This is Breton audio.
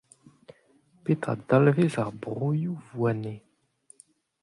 Petra a dalvez ar broioù « Voynet »?